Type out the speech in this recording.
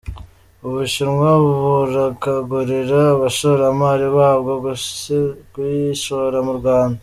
U Bushinwa burakangurira abashoramari babwo kuyishora mu Rwanda